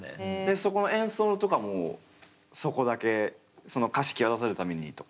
そこの演奏とかもそこだけその歌詞際立たせるためにとか？